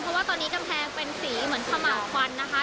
เพราะว่าตอนนี้กำแพงเป็นสีเหมือนขม่าวควันนะคะ